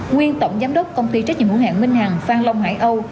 nguyên tổng giám đốc công ty trách nhiệm hữu hạng minh hàng phan long hải âu